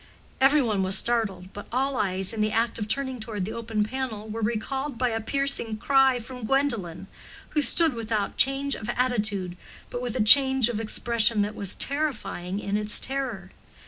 Everyone was startled, but all eyes in the act of turning toward the open panel were recalled by a piercing cry from Gwendolen, who stood without change of attitude, but with a change of expression that was terrifying in its terror.